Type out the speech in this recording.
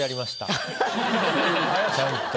ちゃんと。